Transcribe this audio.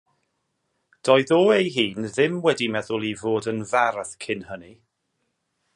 Doedd o ei hun ddim wedi meddwl i fod yn fardd cyn hynny.